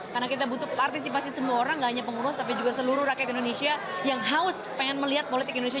karena kita butuh partisipasi semua orang gak hanya pengurus tapi juga seluruh rakyat indonesia yang haus pengen melihat politik indonesia